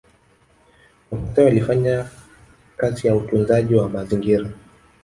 Wamaasai walifanya kazi ya utunzaji wa mazingra